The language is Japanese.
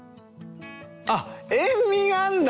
あっ塩みがあるんだ。